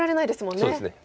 そうですね。